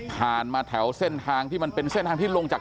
มาแถวเส้นทางที่มันเป็นเส้นทางที่ลงจาก